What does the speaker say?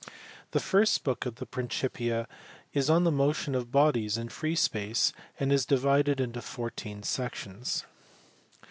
The first book of the Principia is on the motion of bodies in free space, and is divided into fourteen sections.